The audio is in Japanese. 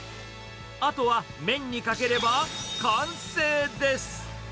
あとは麺にかければ、完成です。